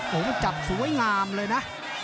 โหมันจับสวยงามเลยนะ